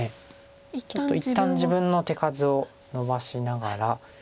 ちょっと一旦自分の手数をのばしながら。